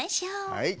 はい。